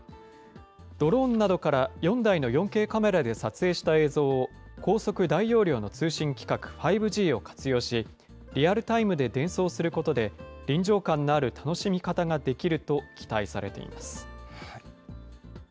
ドローンなどから４台の４Ｋカメラで撮影した映像を、高速・大容量の通信規格５Ｇを活用し、リアルタイムで伝送することで、臨場感のある楽しみ方ができると期待されています。